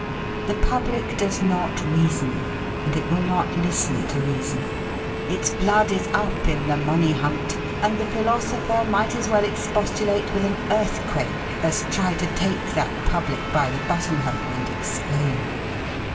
The public does not reason, and it will not listen to reason; its blood is up in the money hunt, and the philosopher might as well expostulate with an earthquake as try to take that public by the button hole and explain.